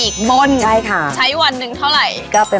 บนใช้วันหนึ่งเท่าไหร่